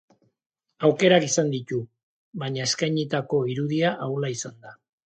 Aukerak izan ditu, baina eskainitako irudia ahula izan da.